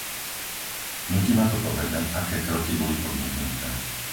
Núti ma to povedať, aké kroky boli podniknuté.